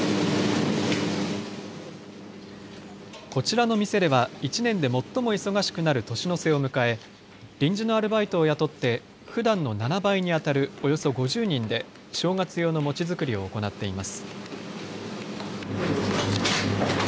こちらの店では１年で最も忙しくなる年の瀬を迎え臨時のアルバイトを雇ってふだんの７倍にあたるおよそ５０人で正月用の餅作りを行っています。